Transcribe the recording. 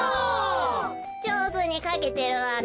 じょうずにかけてるわね。